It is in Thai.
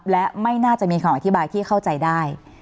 และไม่น่าจะมีคำอธิบายที่เข้าใจได้